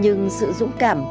nhưng sự dũng cảm